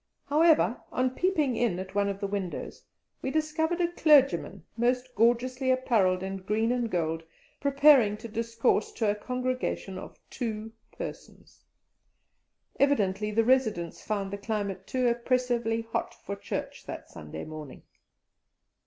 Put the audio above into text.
However, on peeping in at one of the windows, we discovered a clergyman most gorgeously apparelled in green and gold, preparing to discourse to a congregation of two persons! Evidently the residents found the climate too oppressively hot for church that Sunday morning.